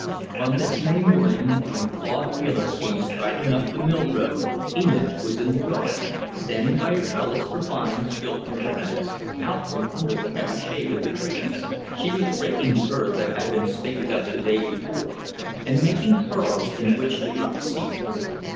On this May morning when Claude Wheeler came striding up the mill road, Enid was in the yard, standing by a trellis for vines built near the fence, out from under the heavy shade of the trees. She was raking the earth that had been spaded up the day before, and making furrows in which to drop seeds.